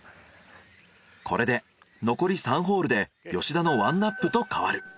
これで残り３ホールで吉田の１アップと変わる。